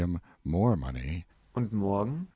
(More money.) Und morgen? GR.